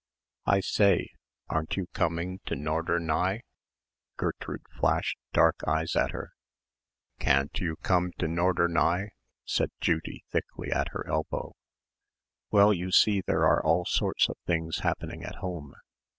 "I say! Aren't you coming to Norderney?" Gertrude flashed dark eyes at her. "Can't you come to Norderney?" said Judy thickly, at her elbow. "Well, you see there are all sorts of things happening at home.